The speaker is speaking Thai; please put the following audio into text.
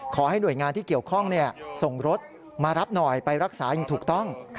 ขอให้หน่วยงานที่เกี่ยวข้องส่งรถมารับหน่อยไปรักษาอย่างถูกต้อง